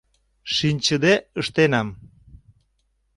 — Шинчыде ыштенам...